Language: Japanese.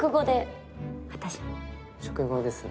食後ですね。